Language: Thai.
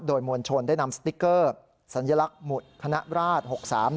โดยมวลชนได้นำสติ๊กเกอร์สัญลักษณ์หมุดคณะราช๖๓